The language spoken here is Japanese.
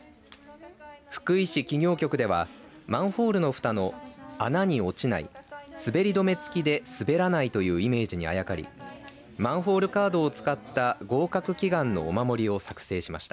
福井市企業局ではマンホールのふたの穴に落ちない滑り止め付きですべらないというイメージにあやかりマンホールカードを使った合格祈願のお守りを作成しました。